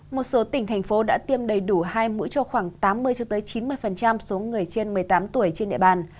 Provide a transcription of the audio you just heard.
một số tỉnh thành phố đã tiêm đầy đủ hai mũi cho khoảng tám mươi cho tới chín mươi số người trên một mươi tám tuổi trên địa bàn